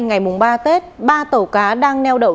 ngày ba tết ba tàu cá đang neo đậu